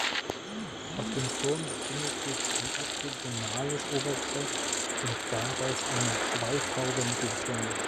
Auf dem Turm befindet sich ein oktogonales Obergeschoss und darauf eine Schweifhaube mit Laterne.